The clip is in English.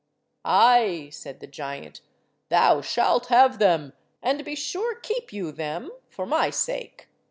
"Ay," said the giant, "thou shalt have them, and be sure keep you them, for my sake.